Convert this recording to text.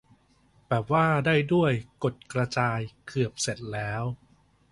แบบว่า ได้ด้วย กด กระจาย เกือบเสร็จแล้ว